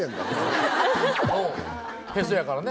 へそやからね。